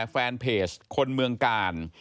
แฟนเพจคนเมืองกาล